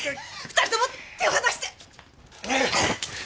２人とも手を離して！